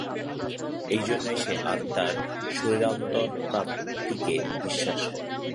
এই জন্যই সে আত্মার শরীরান্তর-প্রাপ্তিতে বিশ্বাস করে।